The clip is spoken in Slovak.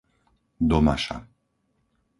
Domaša